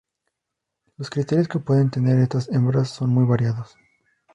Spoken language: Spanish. Los criterios que pueden tener estas hembras son muy variados.